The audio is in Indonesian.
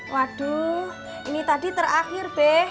waduh ini tadi terakhir beh